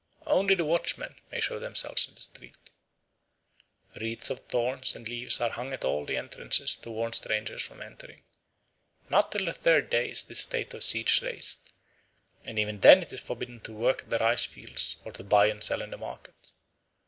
Only the watchmen may show themselves in the streets. Wreaths of thorns and leaves are hung at all the entrances to warn strangers from entering. Not till the third day is this state of siege raised, and even then it is forbidden to work at the rice fields or to buy and sell in the market.